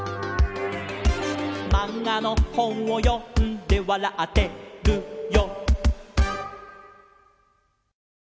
「まんがのほんをよんでわらってるよ」